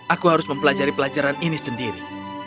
aku harus mempelajari pelajarannya sendiri